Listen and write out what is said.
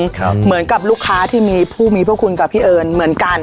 เหมือนกับลูกค้าที่มีผู้มีพระคุณกับพี่เอิญเหมือนกัน